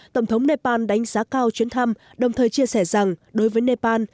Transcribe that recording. tổng thống nepal đánh giá cao chuyến thăm đồng thời chia sẻ rằng đối với nepal